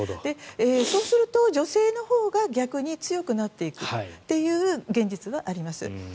そうすると、女性のほうが逆に強くなっていくという現実はあります。